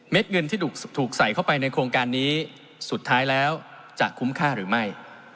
เงินที่ถูกใส่เข้าไปในโครงการนี้สุดท้ายแล้วจะคุ้มค่าหรือไม่